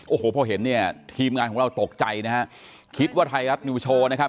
โอ้โหพอเห็นเนี่ยทีมงานของเราตกใจนะฮะคิดว่าไทยรัฐนิวโชว์นะครับ